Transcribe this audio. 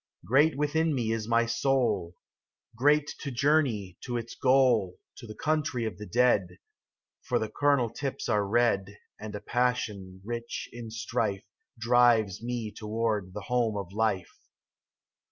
Great within me is my soul. Great to journey to its goal. To the country of the dead ; For the cornel tips are red, And a passion rich in strife Drives me toward the home of life.